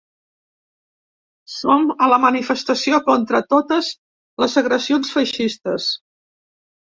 Som a la manifestació contra totes les agressions feixistes.